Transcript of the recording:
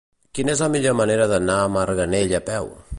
Quina és la millor manera d'anar a Marganell a peu?